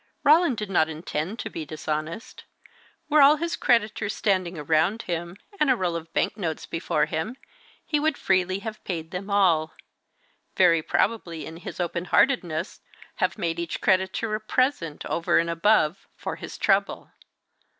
Roland did not intend to be dishonest. Were all his creditors standing around him, and a roll of bank notes before him he would freely have paid them all; very probably, in his openheartedness, have made each creditor a present, over and above, for "his trouble."